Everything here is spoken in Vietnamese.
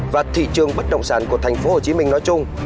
và thị trường bất động sản của thành phố hồ chí minh nói chung